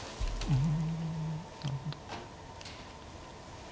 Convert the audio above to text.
うん。